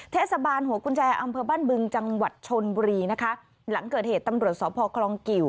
เทศบาลหัวกุญแจอำเภอบ้านบึงจังหวัดชนบุรีนะคะหลังเกิดเหตุตำรวจสพคลองกิว